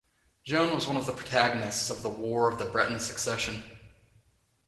Joan was one of the protagonists of the War of the Breton Succession.